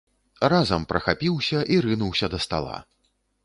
Разам прахапіўся і рынуўся да стала.